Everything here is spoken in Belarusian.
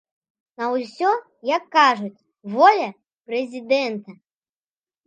На ўсё, як кажуць, воля прэзідэнта!